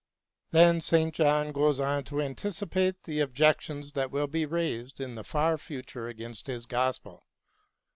Then St. John goes on to anticipate the objec tions which will be raised in the far future against his gospel.